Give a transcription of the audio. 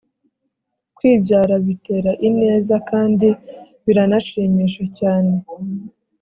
Kwibyara bitera ineza kandi biranashimisha cyane